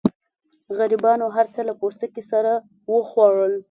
غریبانو هر څه له پوستکو سره وخوړل.